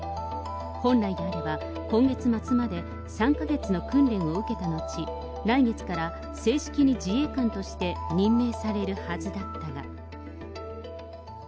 本来であれば、今月末まで、３か月の訓練を受けたのち、来月から正式に自衛官として任命されるはずだったが。